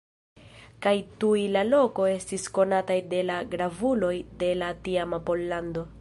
Kaj tuj la loko estis konataj de la gravuloj de la tiama Pollando.